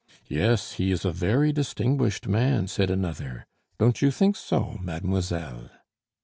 "Yes, he is a very distinguished man," said another, "don't you think so, mademoiselle?"